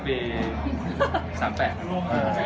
ผมเกิดปี๓๘